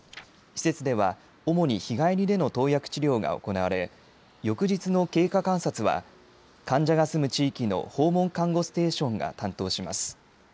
施設では主に日帰りでの投薬治療が行われ、翌日の経過観察は、患者が住む地域の訪問看護ステーションが担当します。